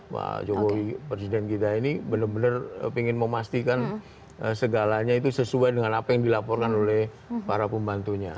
pak jokowi presiden kita ini benar benar ingin memastikan segalanya itu sesuai dengan apa yang dilaporkan oleh para pembantunya